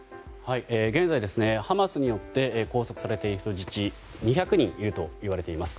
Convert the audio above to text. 現在、ハマスによって拘束されている人質は２００人いるといわれています。